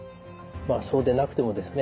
そうでなくてもですね